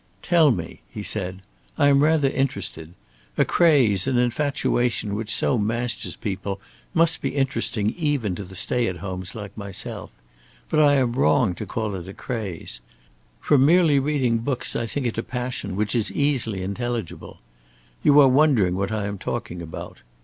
"Tell me!" he said. "I am rather interested. A craze, an infatuation which so masters people must be interesting even to the stay at homes like myself. But I am wrong to call it a craze. From merely reading books I think it a passion which is easily intelligible. You are wondering what I am talking about.